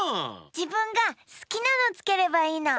じぶんがすきなのつければいいの。